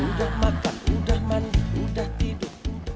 sudah makan sudah mandi sudah tidur